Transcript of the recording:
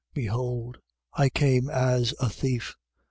Behold, I come as a thief.